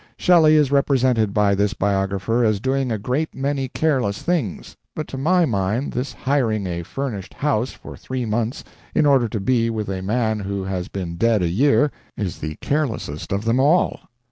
Shelley is represented by this biographer as doing a great many careless things, but to my mind this hiring a furnished house for three months in order to be with a man who has been dead a year, is the carelessest of them all.